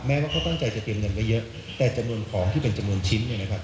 แม้ว่าเขาตั้งใจจะเตรียมเงินกันเยอะแต่จำนวนของที่เป็นจำนวนชิ้น